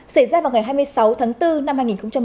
xảy ra vào ngày hai mươi sáu tháng bốn năm hai nghìn một mươi sáu